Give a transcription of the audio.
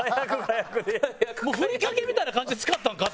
ふりかけみたいな感じで使ったんか？